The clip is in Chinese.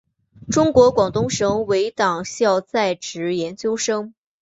中共广东省委党校在职研究生。